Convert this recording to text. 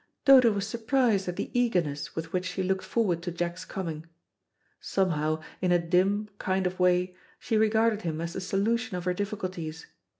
Dodo was surprised at the eagerness with which she looked forward to Jack's coming. Somehow, in a dim kind of way, she regarded him as the solution of her difficulties.